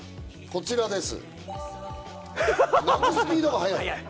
こちらです。